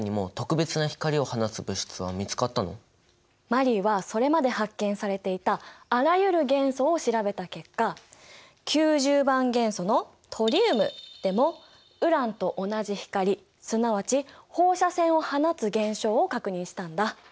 マリーはそれまで発見されていたあらゆる元素を調べた結果９０番元素のトリウムでもウランと同じ光すなわち放射線を放つ現象を確認したんだ。